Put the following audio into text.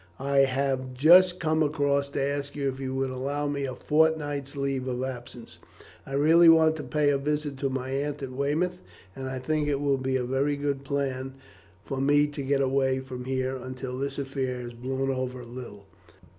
I have just come across to ask you if you will allow me a fortnight's leave of absence. I really want to pay a visit to my aunt at Weymouth, and I think it will be a very good plan for me to get away from here until this affair has blown over a little."